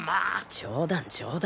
冗談冗談。